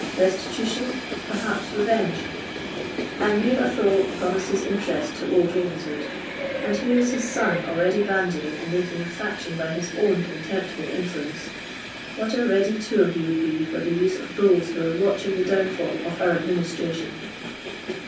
Restitution—perhaps revenge. I know Athole promised his interest to old Ravenswood, and here is his son already bandying and making a faction by his own contemptible influence. What a ready tool he would be for the use of those who are watching the downfall of our administration!"